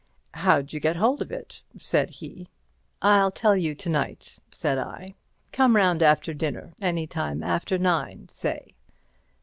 "How d'you get hold of it?" said he. "I'll tell you to night," said I. "Come round after dinner—any time after nine, say."